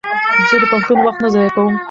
زه د پوهنتون وخت نه ضایع کوم.